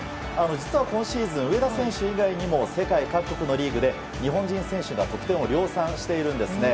実は今シーズン上田選手以外にも世界各国のリーグで日本人選手が得点を量産しているんですね。